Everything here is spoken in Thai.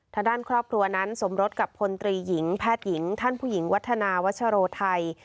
ทางด้านครอบครัวนั้นสมรสกับพลตรีหญิงแพทย์หญิงท่านผู้หญิงวัฒนาวัชโรไทย